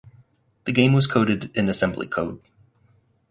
The game was coded in assembly code.